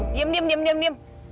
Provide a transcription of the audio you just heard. diam diam diam